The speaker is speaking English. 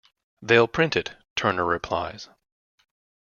"They'll print it," Turner replies.